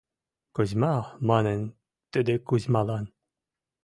— Кузьма! — манын тӹдӹ Кузьмалан.